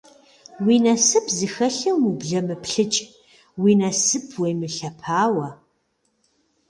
Уи насып зыхэлъым ублэмыплъыкӏ, уи насып уемылъэпауэ.